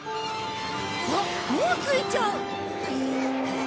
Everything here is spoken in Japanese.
あっもう着いちゃう！